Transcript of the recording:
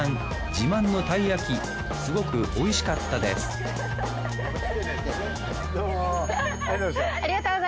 自慢のたい焼きすごくおいしかったですどうも。